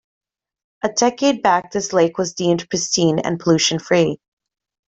A decade back this lake was deemed pristine and pollution free.